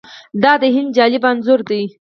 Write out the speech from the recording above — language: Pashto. دا د هند جالب انځور دی.